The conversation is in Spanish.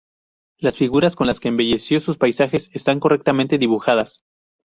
Las figuras con las que embelleció sus paisajes están correctamente dibujadas.